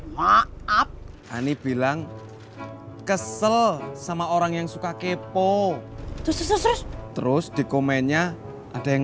maaf ani bilang kesel sama orang yang suka kepo terus terus terus terus di komennya ada yang